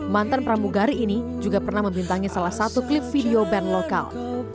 mantan pramugari ini juga pernah membintangi salah satu klip video band lokal